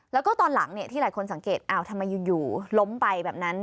แล้วก็ตอนหลังที่หลายคนสังเกตอ้าวทำไมอยู่ล้มไปแบบนั้น